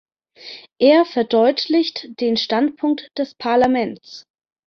Er verdeutlicht den Standpunkt des Parlaments.